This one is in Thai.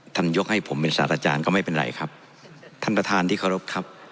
ยกให้ผมเป็นศาสตราจารย์ก็ไม่เป็นไรครับท่านประธานที่เคารพครับ